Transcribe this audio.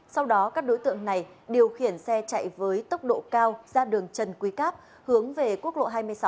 sau đó các đối tượng này điều khiển xe chạy với tốc độ cao ra đường trần quý cáp hướng về quốc lộ hai mươi sáu